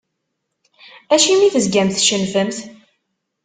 Acimi tezgamt tcennfemt?